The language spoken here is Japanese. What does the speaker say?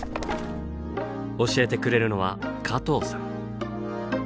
教えてくれるのは加藤さん。